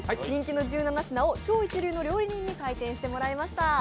人気の１７品を超一流の料理人に裁定していただきました。